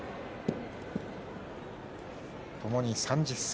ともに３０歳。